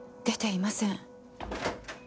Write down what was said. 出ていません。